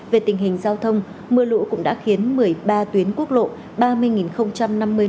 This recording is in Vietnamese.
về tình hình giao thông mưa lũ cũng đã khiến một mươi ba tuyến quốc lộ